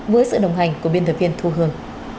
với sự đồng hành của biên tập viên thu hương